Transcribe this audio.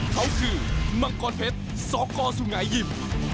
เขาคือมังกรเพชรสกสุงหายิม